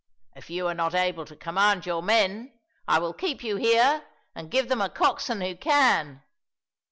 If you are not able to command your men, I will keep you here and give them a coxswain who can."